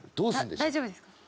大丈夫ですか？